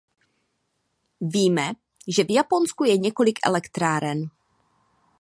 Víme, že v Japonsku je několik elektráren.